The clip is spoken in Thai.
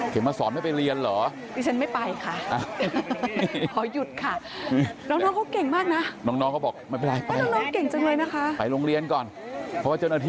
มาสอนไม่ไปเรียนเหรอ